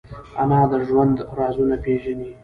انا د ژوند رازونه پېژني